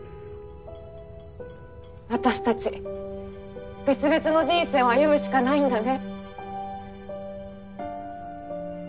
私たち別々の人生を歩むしかないんだね。